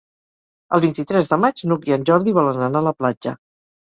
El vint-i-tres de maig n'Hug i en Jordi volen anar a la platja.